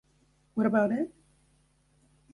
What About It?